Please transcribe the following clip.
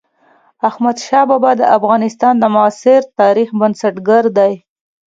احمد شاه بابا د افغانستان د معاصر تاريخ بنسټ ګر دئ.